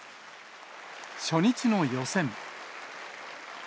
初日の予選。